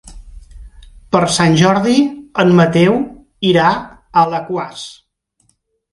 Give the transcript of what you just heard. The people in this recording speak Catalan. Per Sant Jordi en Mateu irà a Alaquàs.